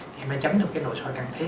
thì em bé chấm được cái nội soi cần thiết